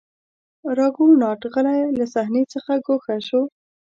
راګونات غلی له صحنې څخه ګوښه شو.